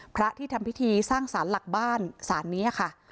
พระที่ทำพิธีสร้างสารหลักบ้านสารนี้ค่ะ